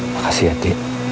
makasih ya ti